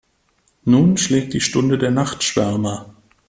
Nun schlägt die Stunde der Nachtschwärmer.